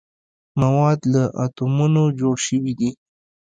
مواد له اتومونو جوړ شوي دي.